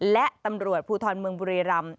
และตำรวจภูทรเมืองบุรีรำ